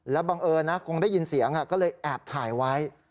บังเอิญนะคงได้ยินเสียงก็เลยแอบถ่ายไว้